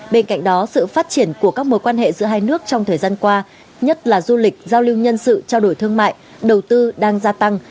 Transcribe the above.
bên cạnh đó sự phát triển của các mối quan hệ giữa hai nước trong thời gian qua nhất là du lịch giao lưu nhân sự trao đổi thương mại đầu tư đang gia tăng